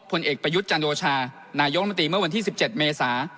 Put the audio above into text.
ผลเอกประยุทธ์จันโอชานายกมนตรีเมื่อวันที่๑๗เมษา